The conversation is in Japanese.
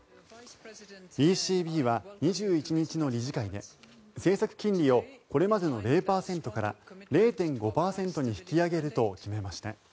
ＥＣＢは２１日の理事会で政策金利をこれまでの０％から０．５％に引き上げると決めました。